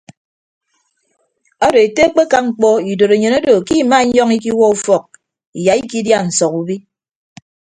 Ado ete akpeka mkpọ idorenyin odo ke ima inyọñ ikiwuọ ufọk iya ikịdia nsọk ubi.